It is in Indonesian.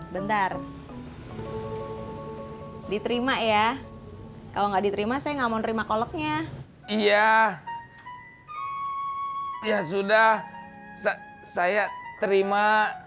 benar diterima ya kalau nggak diterima saya nggak mau nerima koleknya iya ya sudah saya terima